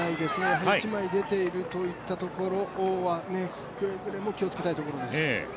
やはり１枚出ているといったところはくれぐれも気をつけたいところです。